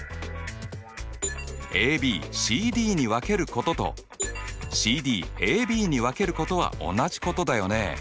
ＡＢＣＤに分けることとＣＤＡＢに分けることは同じことだよね。